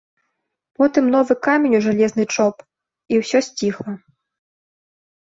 Потым новы камень у жалезны чоп, і ўсё сціхла.